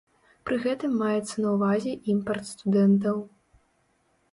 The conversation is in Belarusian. Пры гэтым маецца на ўвазе імпарт студэнтаў.